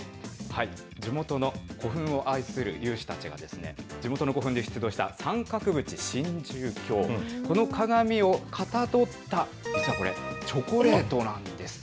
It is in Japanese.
地元の古墳を愛する有志たちが、地元の古墳で出土した三角縁神獣鏡、この鏡をかたどった、実はこれ、チョコレートなんです。